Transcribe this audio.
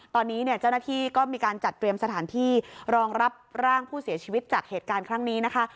ตอนนี้เนี่ยเจ้าหน้าที่ก็มีการจัดเตรียมสถานที่รองรับร่างผู้เสียชีวิตจากเหตุการณ์ครั้งนี้นะคะ